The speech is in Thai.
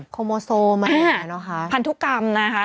โคโมโซมหมายถึงอะไรนะคะ